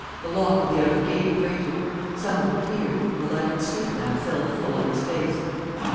The lock of the outer gate grated. Some one appeared, and the light of a street lamp fell full on his face.